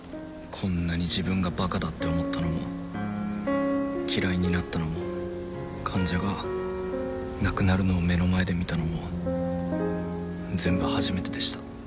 こんなに自分がバカだって思ったのも嫌いになったのも患者が亡くなるのを目の前で見たのも全部初めてでした。